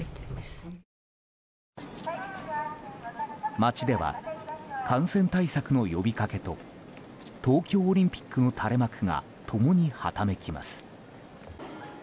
街では、感染対策の呼びかけと東京オリンピックの垂れ幕が共にはためきます。